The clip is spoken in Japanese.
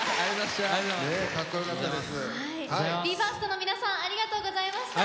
ＢＥ：ＦＩＲＳＴの皆さんありがとうございました！